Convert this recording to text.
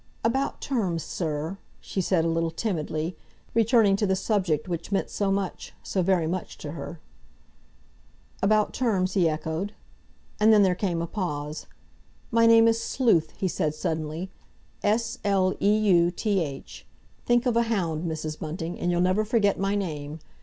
"About terms, sir?" she said a little timidly, returning to the subject which meant so much, so very much to her. "About terms?" he echoed. And then there came a pause. "My name is Sleuth," he said suddenly,—"S l e u t h. Think of a hound, Mrs. Bunting, and you'll never forget my name.